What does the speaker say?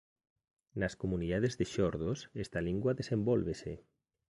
Nas comunidades de xordos esta lingua desenvólvese.